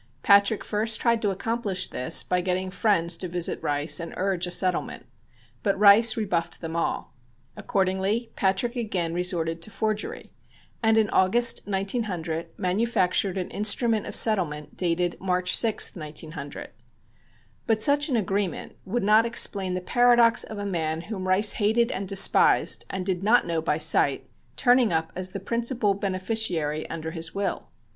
Patrick first tried to accomplish this by getting friends to visit Rice and urge a settlement. But Rice rebuffed them all. Accordingly, Patrick again resorted to forgery, and in August, 1900, manufactured an instrument of settlement, dated March 6, 1900. But such an agreement would not explain the paradox of a man whom Rice hated and despised and did not know by sight turning up as the principal beneficiary under his will.